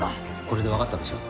「これで分かったでしょ」